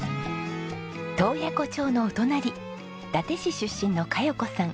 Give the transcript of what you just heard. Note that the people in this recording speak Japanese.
洞爺湖町のお隣伊達市出身の香葉子さん。